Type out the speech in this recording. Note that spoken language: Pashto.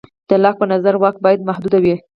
د لاک په نظر واک باید محدود وي.